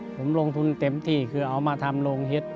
ผมลงทุนเต็มที่คือเอามาทำโรงเห็ด